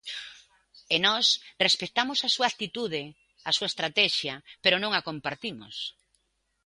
E nós respectamos a súa actitude, a súa estratexia, pero non a compartimos.